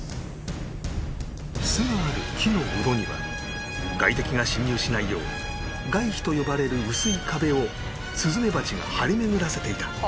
巣がある木のうろには外敵が侵入しないよう外被と呼ばれる薄い壁をスズメバチが張り巡らせていた